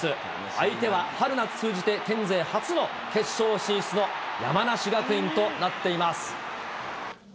相手は春夏通じて県勢初の決勝進出の山梨学院となっています。